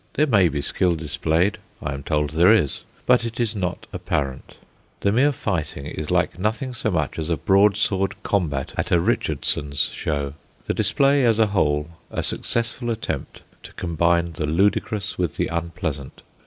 There may be skill displayed I am told there is, but it is not apparent. The mere fighting is like nothing so much as a broadsword combat at a Richardson's show; the display as a whole a successful attempt to combine the ludicrous with the unpleasant.